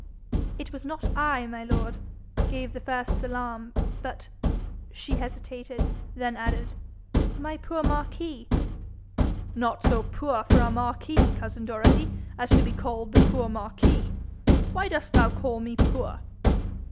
'It was not I, my lord, gave the first alarm, but ' She hesitated, then added, 'my poor Marquis.' 'Not so poor for a marquis, cousin Dorothy, as to be called the poor Marquis. Why dost thou call me poor?'